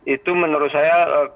itu menurut saya